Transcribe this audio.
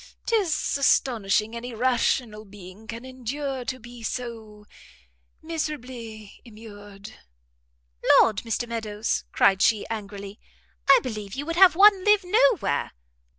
'Tis astonishing any rational being can endure to be so miserably immured." "Lord, Mr Meadows," cried she, angrily, "I believe you would have one live no where!"